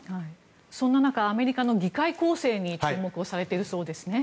そんな中アメリカの議会構成に注目されているそうですね。